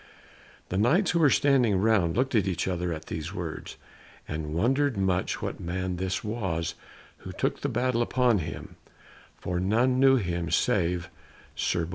The Knights who were standing round looked at each other at these words, and wondered much what man this was who took the battle upon him, for none knew him save Sir Bors.